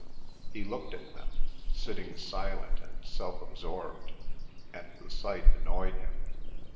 He looked at them sitting silent and self absorbed, and the sight annoyed him.